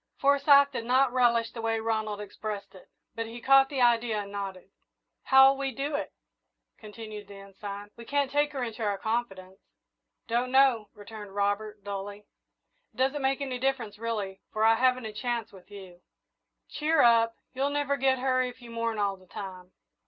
Forsyth did not relish the way Ronald expressed it, but he caught the idea and nodded. "How'll we do it?" continued the Ensign. "We can't take her into our confidence." "Don't know," returned Robert, dully. "It doesn't make any difference, really, for I haven't a chance with you." "Cheer up you'll never get her if you mourn all the time.